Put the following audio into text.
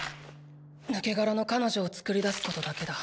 抜け殻の彼女を作り出すことだけだ。